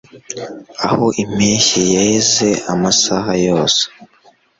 Aho impeshyi yeze amasaha yose